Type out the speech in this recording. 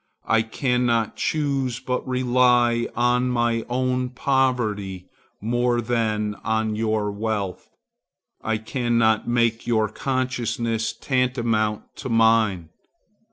I cannot choose but rely on my own poverty more than on your wealth. I cannot make your consciousness tantamount to mine.